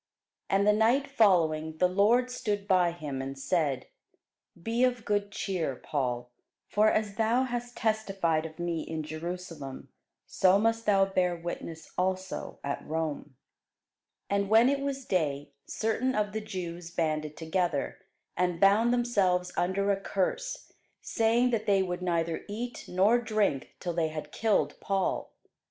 And the night following the Lord stood by him, and said, Be of good cheer, Paul: for as thou hast testified of me in Jerusalem, so must thou bear witness also at Rome. [Sidenote: The Acts 23] And when it was day, certain of the Jews banded together, and bound themselves under a curse, saying that they would neither eat nor drink till they had killed Paul.